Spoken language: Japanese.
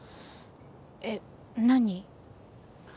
えっ何？